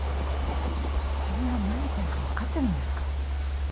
自分が何言ってるか分かってるんですか？